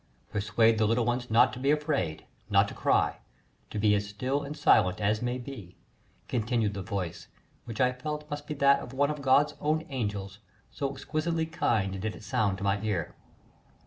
"Persuade the little ones not to be afraid, not to cry, to be as still and silent as may be," continued the voice, which I felt must be that of one of God's own angels, so exquisitely kind did it sound to my ear.